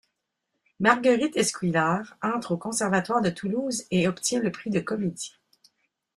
Marguerite Esquilar entre au conservatoire de Toulouse et obtient le prix de comédie.